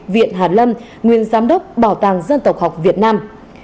viện hàn lâm nguyên giám đốc bảo tàng dân tộc học việt nam